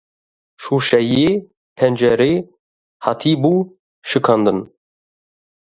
Şûşeyê pencerê hatibû şikandin